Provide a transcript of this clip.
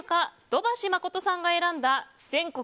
土橋真さんが選んだ全国